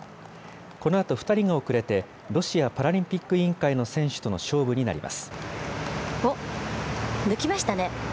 このあと２人が遅れてロシアパラリンピック委員会の選手との勝負になります。